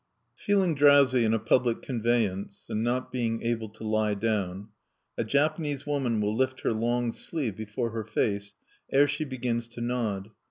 Feeling drowsy in a public conveyance, and not being able to lie down, a Japanese woman will lift her long sleeve before her face ere she begins to nod.